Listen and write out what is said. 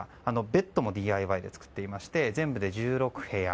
ベッドもＤＩＹで作っていまして全部で１６部屋。